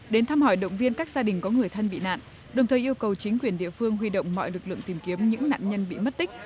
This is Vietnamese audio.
đến thăm hỏi động viên các gia đình có người thân bị nạn đồng thời yêu cầu chính quyền địa phương huy động mọi lực lượng tìm kiếm những nạn nhân bị mất tích